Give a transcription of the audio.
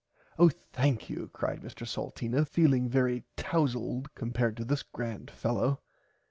Oh thankyou cried Mr Salteena feeling very towzld compared to this grand fellow.